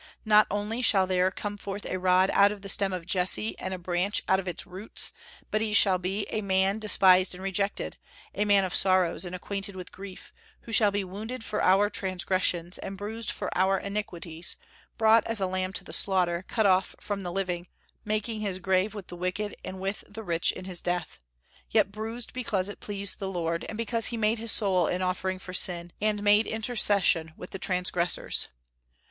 Not only shall there "come forth a rod out of the stem of Jesse, and a branch out of its roots," but he shall be "a man despised and rejected, a man of sorrows and acquainted with grief; who shall be wounded for our transgressions and bruised for our iniquities, brought as a lamb to the slaughter, cut off from the living, making his grave with the wicked and with the rich in his death; yet bruised because it pleased the Lord, and because he made his soul an offering for sin, and made intercession with the transgressors."